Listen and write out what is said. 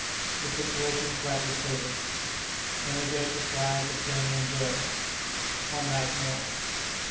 —The Situation flatly stated.—Energetic Replies of Kennedy and Joe.—One Night more.